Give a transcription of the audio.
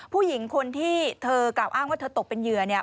ผู้หญิงคนที่เธอกล่าวอ้างว่าเธอตกเป็นเหยื่อเนี่ย